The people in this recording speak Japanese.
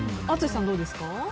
淳さん、どうですか？